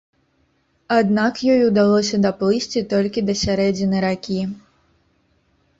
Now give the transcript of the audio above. Аднак ёй удалося даплысці толькі да сярэдзіны ракі.